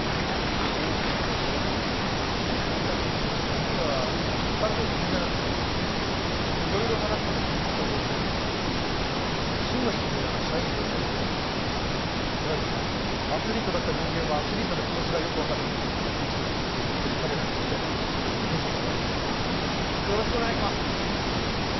実は彼と偶然会っていろいろ話してるうちに意気投合して新町くんのような社員がいてもいいと思ったやはりアスリートだった人間はアスリートの気持ちがよく分かるビクトリーに所属してる彼らにとっていい相談相手になるよろしくお願いします